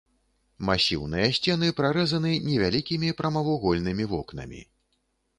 Масіўныя сцены прарэзаны невялікімі прамавугольнымі вокнамі.